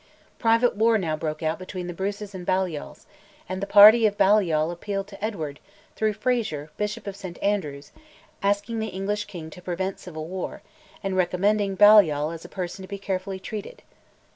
Private war now broke out between the Bruces and Balliols; and the party of Balliol appealed to Edward, through Fraser, Bishop of St Andrews, asking the English king to prevent civil war, and recommending Balliol as a person to be carefully treated.